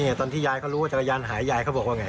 ตอนที่ยายเขารู้ว่าจักรยานหายยายเขาบอกว่าไง